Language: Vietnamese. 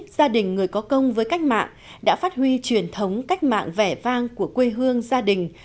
gia đình người có công với cách mạng đã phát huy truyền thống cách mạng vẻ vang của quê hương gia đình